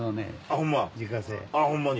ホンマに？